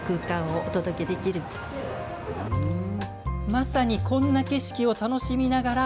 まさにこんな景色を楽しみながら、